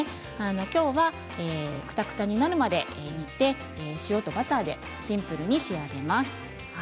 今日はクタクタになるまで煮て塩とバターでシンプルに仕上げます。